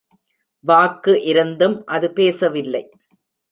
வாக்கு இருந்தும் அது பேசவில்லை.